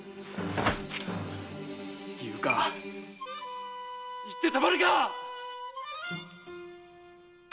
言うか言ってたまるか！